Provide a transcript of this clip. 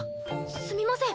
すみません。